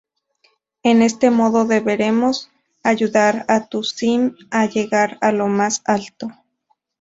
En este modo deberemos ayudar a tu sim a llegar a lo más alto.